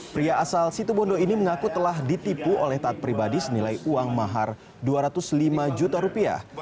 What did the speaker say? pria asal situbondo ini mengaku telah ditipu oleh taat pribadi senilai uang mahar dua ratus lima juta rupiah